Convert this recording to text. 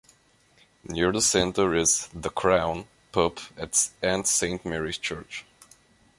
Near the centre is "The Crown" pub and Saint Mary's Church.